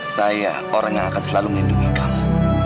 saya orang yang akan selalu melindungi kamu